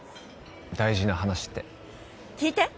大事な話って聞いて